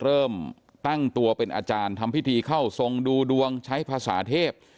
เริ่มตั้งตัวเป็นอาจารย์ทำพิธีเข้าทรงดูดวงใช้ภาษาเทพ